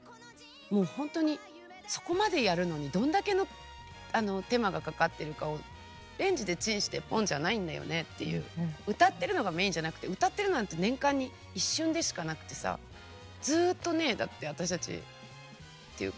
もうほんとにそこまでやるのにどんだけの手間がかかっているかをレンジでチンしてポンじゃないんだよねっていう歌ってるのがメインじゃなくて歌ってるなんて年間に一瞬でしかなくてさずっとねだって私たちっていうか。